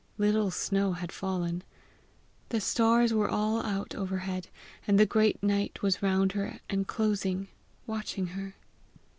Little snow had fallen. The stars were all out overhead, and the great night was round her, enclosing, watching her.